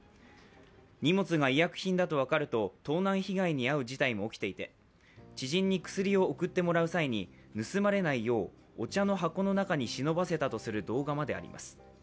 荷物が医薬品だと分かると盗難被害に遭う事態も起きていて知人に薬を送ってもらう際に盗まれないようお茶の箱の中にしのばせたとする動画まであります。